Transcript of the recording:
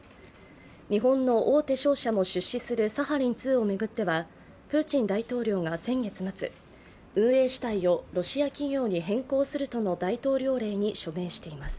日本の大手商社も出資するサハリン２を巡ってはプーチン大統領が先月末、運営主体をロシア企業に変更するとの大統領令に署名しています。